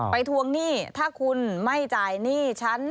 ทวงหนี้ถ้าคุณไม่จ่ายหนี้ฉัน